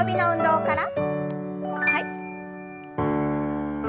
はい。